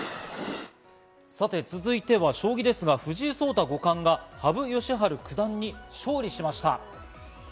続いては将棋ですが、藤井聡太五冠が羽生善治九段に勝利しました。